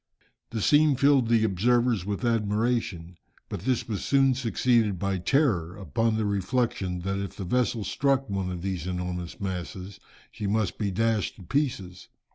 The scene filled the observers with admiration. But this was soon succeeded by terror, upon the reflection that if the vessel struck one of these enormous masses, she must be dashed to pieces.